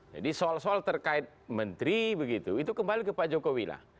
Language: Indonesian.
jadi soal soal terkait menteri begitu itu kembali ke pak jokowi lah